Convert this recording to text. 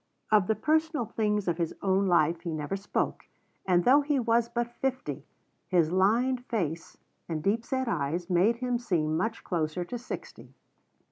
Of the personal things of his own life he never spoke, and though he was but fifty, his lined face and deep set eyes made him seem much closer to sixty.